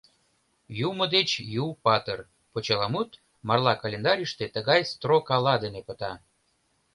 «Юмо деч ю патыр» почеламут «Марла календарьыште» тыгай строкала дене пыта: